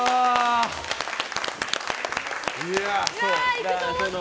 いくと思った。